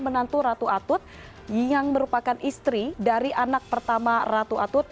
menantu ratu atut yang merupakan istri dari anak pertama ratu atut